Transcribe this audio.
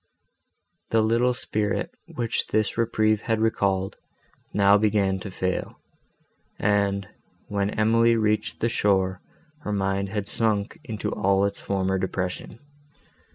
The little spirit, which this reprieve had recalled, now began to fail, and, when Emily reached the shore, her mind had sunk into all its former depression.